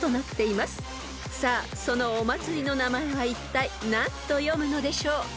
［さあそのお祭りの名前はいったい何と読むのでしょう？］